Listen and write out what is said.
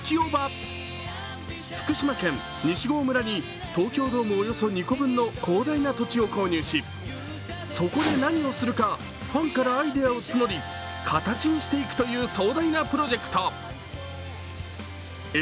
福島県西郷村に東京ドームおよそ２個分の広大な土地を購入し、そこで何かをするかファンからアイデアを募り、形にしていくという壮大なプロジェクト。